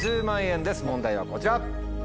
問題はこちら！